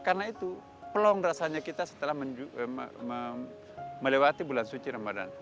karena itu pelong rasanya kita setelah melewati bulan suci ramadan